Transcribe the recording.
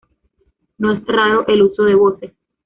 No es raro el uso de voces.